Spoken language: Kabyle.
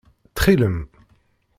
Ttxil-m.